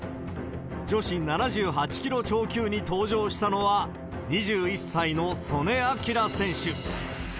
女子７８キロ超級に登場したのは、２１歳の素根輝選手。